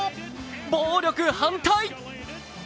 暴力反対！！